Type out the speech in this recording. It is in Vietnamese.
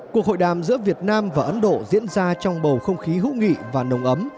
cuộc hội đàm giữa việt nam và ấn độ diễn ra trong bầu không khí hữu nghị và nồng ấm